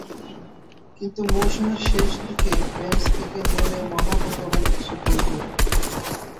কিন্তু মৌসুমের শেষ দিকে বেঞ্চ থেকে নেমে মহামূল্যবান কিছু গোল করলেন।